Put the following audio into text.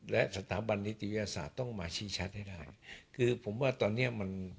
และสถาบันนิติวิทยาศาสตร์ต้องมาชี้ชัดให้ได้คือผมว่าตอนเนี้ยมัน